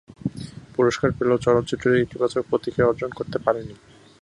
পুরস্কার পেলেও চলচ্চিত্রটি ইতিবাচক প্রতিক্রিয়া অর্জন করতে পারেনি।